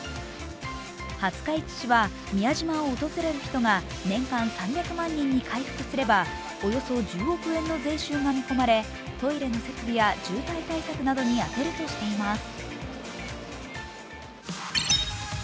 廿日市市は宮島を訪れる人が年間３００万人に回復すればおよそ１０億円の税収が見込まれトイレの設備や渋滞対策などに充てるとしています。